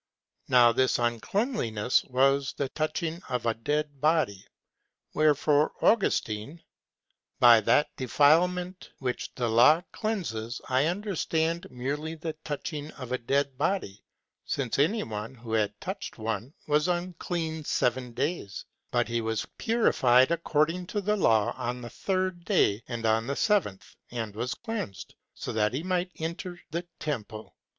Now this uncleanness was the touching of a dead body. Wherefore Augustine^ : "By that defilement which the law cleanses I understand merely the touching of a dead body, since anyone who had touched one, was unclean seven days; but he was purified according to the law on the third day and on the seventh, and was cleansed," so that he might enter the temple.